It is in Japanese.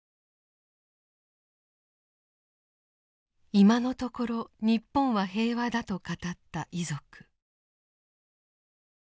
今のところ日本は平和だと語った遺族。